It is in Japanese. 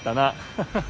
ハハハ。